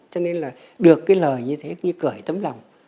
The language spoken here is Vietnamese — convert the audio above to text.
cho nên là được cái lời như thế như cởi tấm lòng